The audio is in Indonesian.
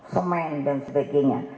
semen dan sebagainya